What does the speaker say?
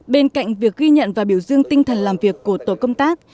bên cạnh việc ghi nhận và biểu dương tinh thần làm việc của tổ công tác